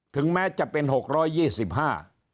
ถึงแม้จะเป็น๖๒๕บาท